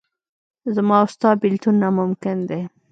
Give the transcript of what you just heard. زما او ستا بېلتون ناممکن دی.